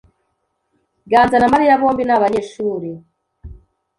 Ganza na Mariya bombi ni abanyeshuri.